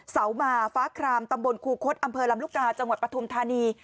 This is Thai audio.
เสามาฟ้าครามตำบลครูคดอำเภอลำลูกกาจังหวัดปฐุมธานี